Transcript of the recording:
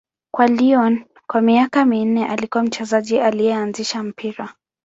Kwa Lyon kwa miaka minne, alikuwa mchezaji aliyeanzisha mpira.